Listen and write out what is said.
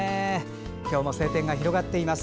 今日も晴天が広がっています。